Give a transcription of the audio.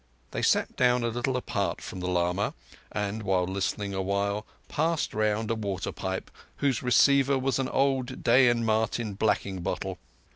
They sat down a little apart from the lama, and, after listening awhile, passed round a water pipe whose receiver was an old Day and Martin blacking bottle.